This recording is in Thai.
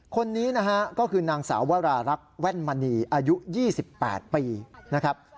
คนนี้นะฮะก็คือนางสาววรารักษ์แว่นมณีอายุ๒๘ปีนะครับ